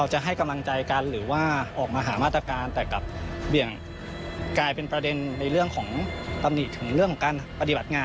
ให้กับเจ้าหน้าที่เลยครับ